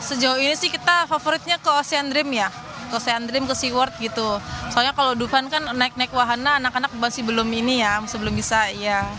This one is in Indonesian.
sejauh ini sih kita favoritnya ke ocean dream ya kecen dream ke seaword gitu soalnya kalau duvan kan naik naik wahana anak anak masih belum ini ya masih belum bisa yang